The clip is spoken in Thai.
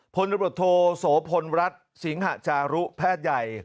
พนับโทโสพนรัฐสิงหะจารุแพทย์ใหญ่